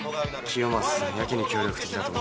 清正さんやけに協力的だと思ったら。